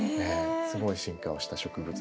すごい進化をした植物です。